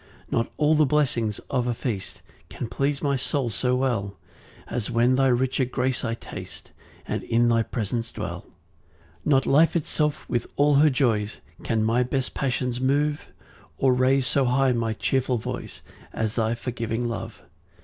4 Not all the blessings of a feast Can please my soul so well, As when thy richer grace I taste, And in thy presence dwell. 5 Not life itself with all her joys, Can my best passions move, Or raise so high my cheerful voice As thy forgiving love.